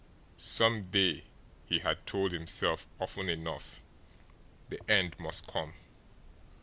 Some day, he had told himself often enough, the end must come.